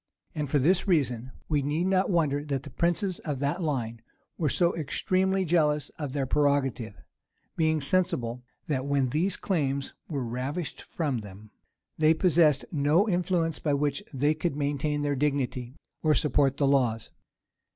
And, for this reason, we need not wonder that the princes of that line were so extremely jealous of their prerogative; being sensible, that when these claims were ravished from them, they possessed no influence by which they could maintain their dignity, or support the laws.